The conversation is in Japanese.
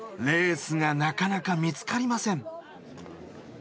レースがなかなか見つかりません。